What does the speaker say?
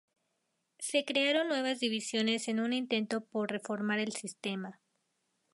Se crearon nuevas divisiones en un intento por reformar el sistema.